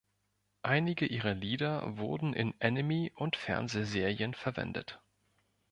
Einige ihrer Lieder wurden in Anime und Fernsehserien verwendet.